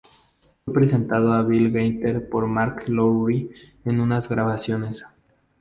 Fue presentado a Bill Gaither por Mark Lowry en unas grabaciones.